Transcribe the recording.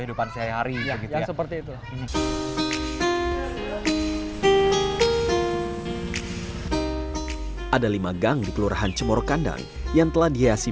kehidupan sehari hari seperti itu ada lima gang di kelurahan cemorokandang yang telah dihiasi